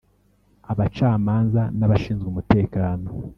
abacamanza n’abashinzwe umutekano